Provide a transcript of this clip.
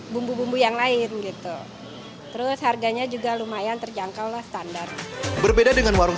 bumbu bumbu yang lain gitu terus harganya juga lumayan terjangkaulah standar berbeda dengan warung